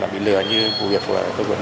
bị lừa như vụ